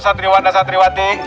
sandriwan dan sandriwati